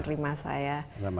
terima kasih saya